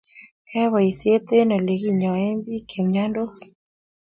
Ayae boisiet eng oleginyoen biik chemyansot